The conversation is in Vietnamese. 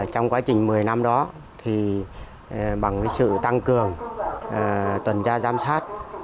trong quá trình một mươi năm đó bằng sự tăng cường tuần tra giám sát